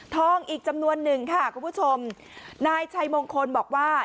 อีกจำนวนหนึ่งค่ะคุณผู้ชมนายชัยมงคลบอกว่า